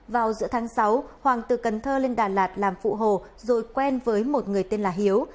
vào giữa tháng sáu hoàng từ cần thơ lên đà lạt làm phụ hồ rồi quen với một người tên là hiếu